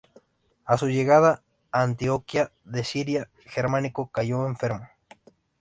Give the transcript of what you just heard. A su llegada a Antioquía de Siria, Germánico cayó enfermo.